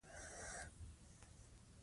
شاه محمود د خپلو توپونو سره حرکت کوي.